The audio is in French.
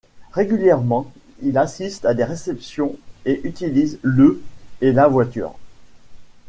Régulièrement, il assiste à des réceptions et utilise le et la voiture.